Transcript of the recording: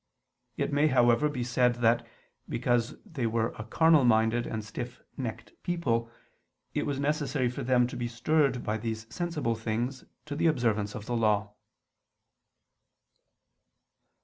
It may, however, be said that, because they were a carnal minded and stiff necked people, it was necessary for them to be stirred by these sensible things to the observance of the Law.